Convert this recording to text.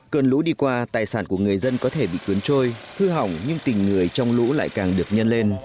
cơn lũ đi qua tài sản của người dân có thể bị cuốn trôi hư hỏng nhưng tình người trong lũ lại càng được nhân lên